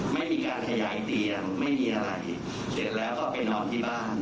ไม่มีการขยายเตียงไม่มีอะไรเสร็จแล้วก็ไปนอนที่บ้าน